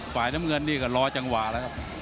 ฝ่ายน้ำเงินนี่ก็รอจังหวะแล้วครับ